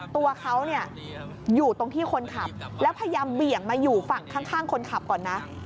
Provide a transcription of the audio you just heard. ตัวเขาอยู่ตรงที่คนขับแล้วพยายามเบี่ยงมาอยู่ฝั่งข้างคนขับก่อนนะ